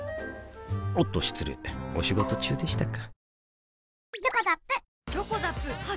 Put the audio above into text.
おっと失礼お仕事中でしたか